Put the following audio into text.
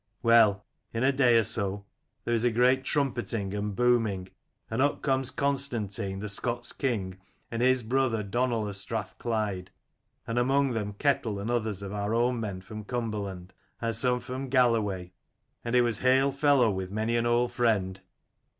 "Well, in a day or so there is a great trumpetting and booming, and up comes Con stantine the Scots' king, and his brother Donal of Strathclyde, and among them Ketel and others of our own men from Cumberland, and some from Galloway: and it was hail fellow with many an old friend.